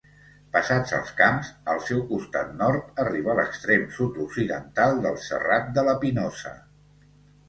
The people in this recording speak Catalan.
Passats als camps, al seu costat nord, arriba l'extrem sud-occidental del Serrat de la Pinosa.